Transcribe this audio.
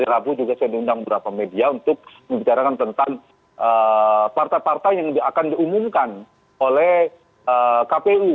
rabu juga saya diundang beberapa media untuk membicarakan tentang partai partai yang akan diumumkan oleh kpu